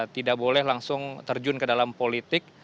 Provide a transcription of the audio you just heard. tidak boleh langsung terjun ke dalam politik